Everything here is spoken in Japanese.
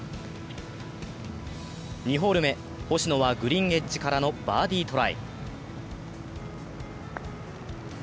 ２ホール目、星野はグリーンエッジからのバーディートライ。